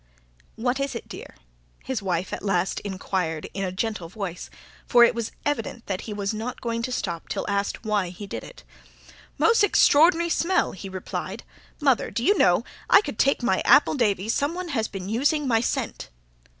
"What is it, dear?" his wife at last inquired in a gentle voice; for it was evident that he was not going to stop till asked why he did it. "Mos' extraor'nary smell!" he replied. "Mother, d'you know, I could take my appledavy some one has been using my scent."